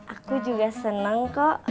aku juga seneng kok